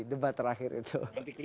debat terakhir itu